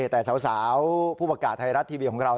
แต่สาวผู้ประกาศไทยรัฐทีวีของเรา